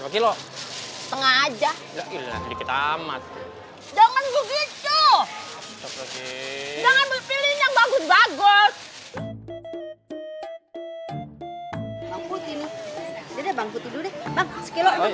banget jangan begitu jangan pilih yang bagus bagus